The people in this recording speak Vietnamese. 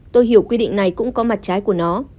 tôi hiểu quy định này cũng có mặt trái của nó